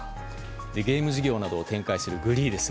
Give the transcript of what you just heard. ゲーム事業などを展開するグリーです。